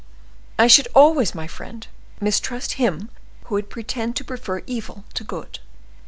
I should always, my friend, mistrust him who would pretend to prefer evil to good.